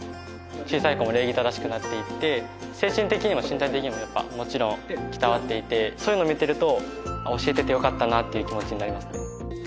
小さい子も礼儀正しくなっていって精神的にも身体的にもやっぱもちろん鍛わっていてそういうのを見てるとあっ教えててよかったなっていう気持ちになりますね